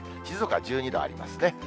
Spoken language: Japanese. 静岡は１２度ありますね。